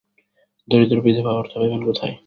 দরিদ্র বিধবা অর্থ পাইবেন কোথায়।